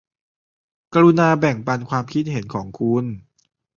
กรุณาแบ่งปันความคิดเห็นของคุณ